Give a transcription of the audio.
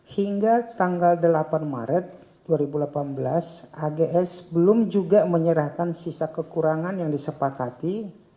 hingga tanggal delapan maret dua ribu delapan belas ags belum juga menyerahkan sisa kekurangan yang disepakati